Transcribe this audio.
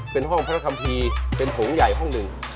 เป็นห้องพระคัมภีร์เป็นโถงใหญ่ห้องหนึ่ง